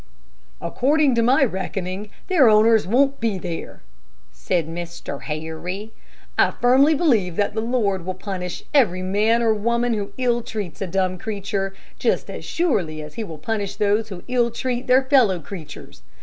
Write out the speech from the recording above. "According to my reckoning, their owners won't be there," said Mr. Harry. "I firmly believe that the Lord will punish every man or woman who ill treats a dumb creature just as surely as he will punish those who ill treat their fellow creatures.